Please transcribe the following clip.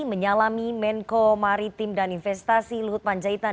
menyalami menko maritim dan investasi luhut panjaitan